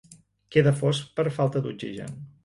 Queda fos per falta d'oxigen.